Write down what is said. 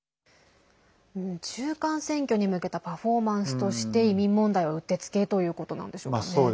中間選挙に向けたパフォーマンスとして移民問題はうってつけということなんでしょうね。